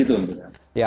begitu menurut saya